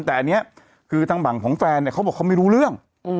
แต่อันนี้คือทางฝั่งของแฟนเนี่ยเขาบอกเขาไม่รู้เรื่อง